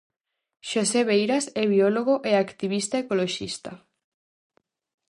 Xosé Veiras é biólogo e activista ecoloxista.